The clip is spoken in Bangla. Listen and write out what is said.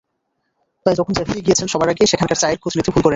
তাই যখন যেখানেই গিয়েছেন, সবার আগে সেখানকার চায়ের খোঁজ নিতে ভুল করেননি।